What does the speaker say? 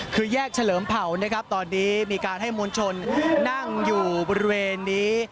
คือแยกเฉลิมเผานะครับตอนนี้มีการให้มวลชนนั่งอยู่บริเวณนี้